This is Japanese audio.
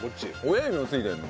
親指もついてるの？